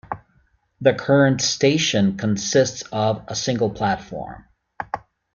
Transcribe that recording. The current station consists of a single platform.